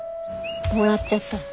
もらっちゃった。